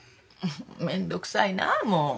面倒くさいなあもう。